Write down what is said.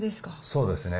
そうですね。